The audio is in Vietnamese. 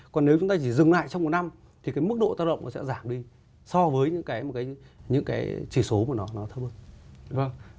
còn nếu chúng ta chỉ dừng lại trong một năm thì cái mức độ tác động nó sẽ giảm đi so với những cái chỉ số mà chúng ta có